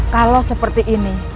kalau seperti ini